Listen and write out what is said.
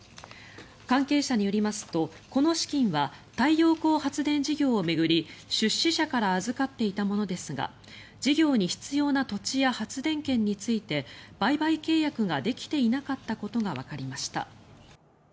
関係者によりますとこの資金は太陽光発電事業を巡り出資者から預かっていたものですが事業に必要な土地や発電権について売買契約ができていなかったことがわかりました。